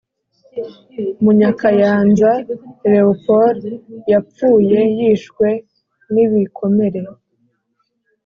Munyakayanza Leopold yapfuye yishwe nibikomere